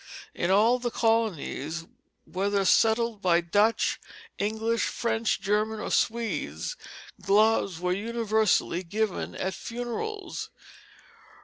In all the colonies, whether settled by Dutch, English, French, German, or Swedes, gloves were universally given at funerals.